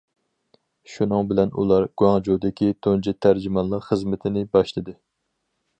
شۇنىڭ بىلەن ئۇلار گۇاڭجۇدىكى تۇنجى تەرجىمانلىق خىزمىتىنى باشلىدى.